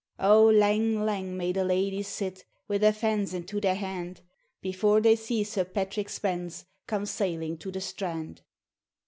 O lang lang may the ladyes sit, Wi' their fans into their hand, Before they see Sir Patrick Spens Come sailing to the strand!